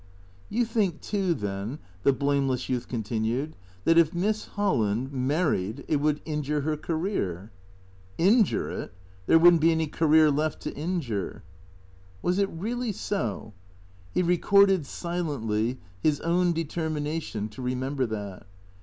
"You think too then," the blamless youth continued, "that if Miss Holland — married it would injure her career ?"" Injure it ? There would n't be any career left to injure." Was it really so? He recorded, silently, his own determina tion to remember that.